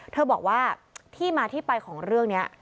เธอบอกว่าที่มาที่ไปของเรื่องนี้